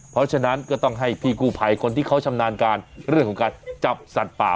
เพราะฉะนั้นก็ต้องให้พี่กู้ภัยคนที่เขาชำนาญการเรื่องของการจับสัตว์ป่า